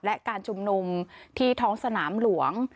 และการชุมนุมที่ท้องสนามหลวง